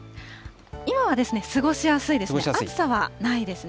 今は過ごしやすいですね。